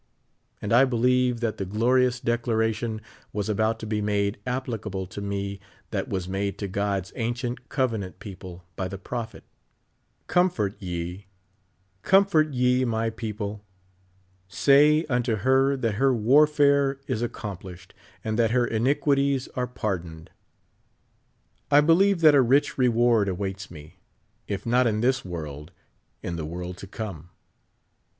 And I believe that the glorious declaration was about to be made applicable to me that was made to God's ancient covenant people by the prophet: "Comfort ye, comfort ye, my people ; say unto her that her warfare is accom plished, and that her inquities are pardoned. I believe that a rich reward awaits me. if not in this world, in the world to come.